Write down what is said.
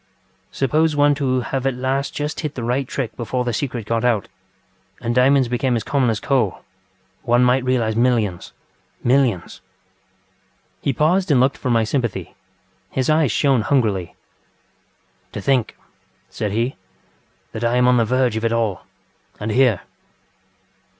Suppose one to have at last just hit the right trick before the secret got out and diamonds became as common as coal, one might realize millions. Millions! ŌĆØ He paused and looked for my sympathy. His eyes shone hungrily. ŌĆ£To think, ŌĆØ said he, ŌĆ£that I am on the verge of it all, and here!